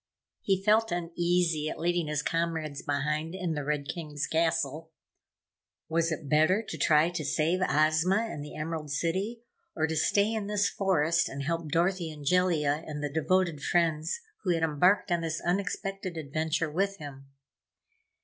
He felt uneasy at leaving his comrades behind in the Red King's Castle. Was it better to try to save Ozma and the Emerald City, or to stay in this forest and help Dorothy and Jellia and the devoted friends who had embarked on this unexpected adventure with him?